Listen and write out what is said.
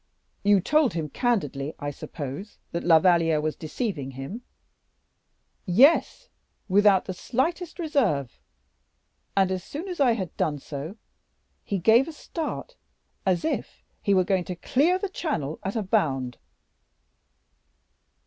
'" "You told him candidly, I suppose, that La Valliere was deceiving him?" "Yes, without the slightest reserve; and, as soon as I had done so, he gave a start, as if he were going to clear the Channel at a bound."